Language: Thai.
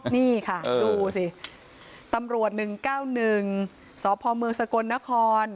นี่ค่ะดูสิตำรวจหนึ่งเก้าหนึ่งสภเมืองสะกนนคร